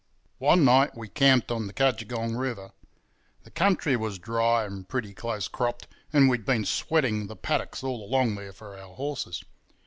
One night we camped on the Cudgegong River. The country was dry and pretty close cropped and we'd been "sweating" the paddocks all along there for our horses.